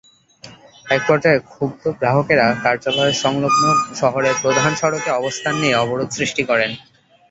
একপর্যায়ে ক্ষুব্ধ গ্রাহকেরা কার্যালয়-সংলগ্ন শহরের প্রধান সড়কে অবস্থান নিয়ে অবরোধ সৃষ্টি করেন।